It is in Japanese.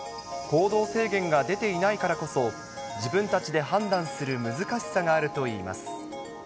行動制限が出ていないからこそ、自分たちで判断する難しさがあるといいます。